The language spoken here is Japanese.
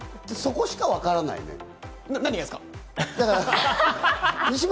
そこしかわからないね。